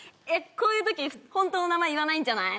こういうとき本当の名前言わないんじゃない？